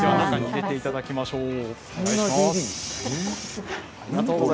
入れていただきましょう。